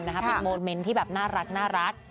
มีโมเมนท์ที่น่ารัก